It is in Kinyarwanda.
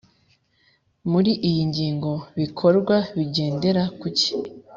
muri iyi ngingo bikorwa bigendera kuki